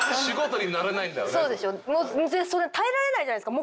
もう耐えられないじゃないですか。